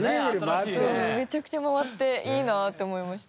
めちゃくちゃ回っていいなって思いました。